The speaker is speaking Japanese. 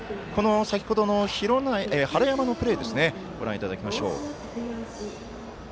先ほどの晴山のプレーをご覧いただきます。